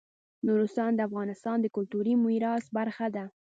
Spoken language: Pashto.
نورستان د افغانستان د کلتوري میراث برخه ده.